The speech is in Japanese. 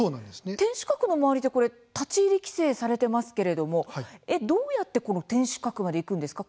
天守閣の周りで、これ立ち入り規制されてますけれどもどうやってこの天守閣まで行くんですか？